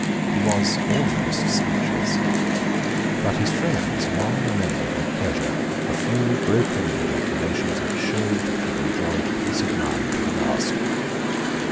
He was almost speechless; but his friends long remembered with pleasure a few broken ejaculations which showed that he enjoyed peace of mind to the last.